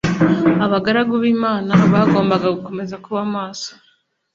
Abagaragu b Imana bagombaga gukomeza kuba maso